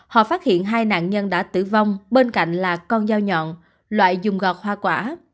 họ phát hiện hai nạn nhân đã tử vong bên cạnh là con dao nhọn loại dùng gọt hoa quả